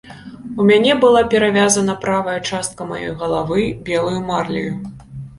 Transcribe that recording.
У мяне была перавязана правая частка маёй галавы белаю марляю.